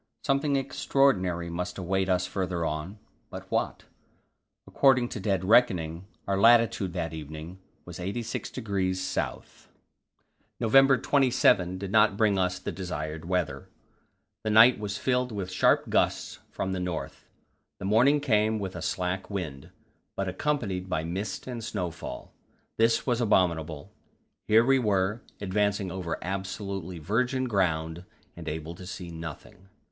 Something extraordinary must await us farther on, but, what? According to dead reckoning our latitude that evening was 86° S. November 27 did not bring us the desired weather; the night was filled with sharp gusts from the north; the morning came with a slack wind, but accompanied by mist and snowfall. This was abominable; here we were, advancing over absolutely virgin ground, and able to see nothing.